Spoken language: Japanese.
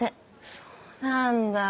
そうなんだ